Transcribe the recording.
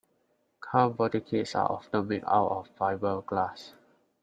Car body kits are often made out of fiberglass.